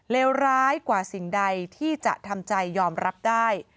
เลวร้ายกว่าสิ่งใดที่จะทำใจยอมรับได้